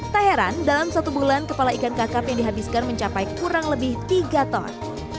tak heran dalam satu bulan kepala ikan kakap yang dihabiskan mencapai kurang lebih tiga ton